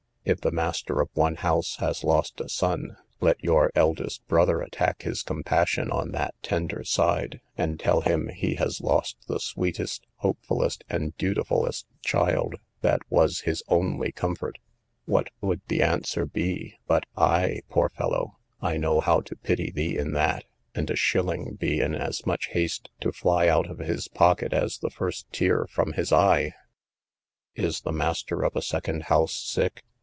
If the master of one house has lost a son, let your eldest brother attack his compassion on that tender side, and tell him he has lost the sweetest, hopefullest, and dutifullest child, that was his only comfort: what would the answer be, but, aye, poor fellow! I know how to pity thee in that; and a shilling be in as much haste to fly out of his pocket as the first tear from his eye. "Is the master of a second house sick?